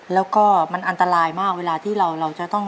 แล้วก็มันอันตรายมากเวลาที่เราจะต้อง